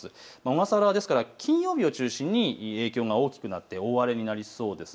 小笠原、ですから金曜日を中心に影響が大きくなって大荒れになりそうです。